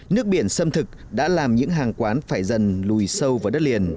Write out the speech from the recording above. nước biển xâm thực đã làm những hàng quán phải dần lùi sâu vào đất liền